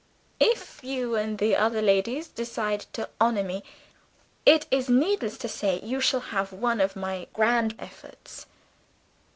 If you and the other ladies decide to honor me, it is needless to say you shall have one of my grand efforts.